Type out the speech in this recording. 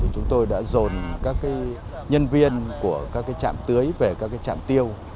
chúng tôi đã dồn các nhân viên của các chạm tưới về các chạm tiêu